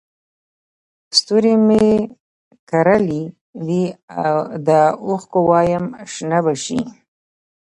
ستوري مې کرلي دي د اوښکو وایم شنه به شي